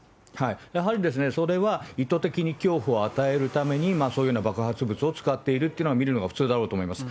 やはりですね、それは意図的に恐怖を与えるために、そういうふうな爆発物を使っているというふうに見るのが普通だと思います。